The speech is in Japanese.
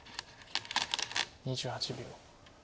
２８秒。